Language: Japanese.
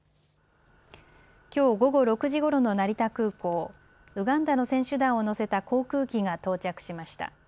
きょう午後６時ごろの成田空港、ウガンダの選手団を乗せた航空機が到着しました。